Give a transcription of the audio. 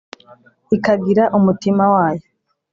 ikagira umutima wayo,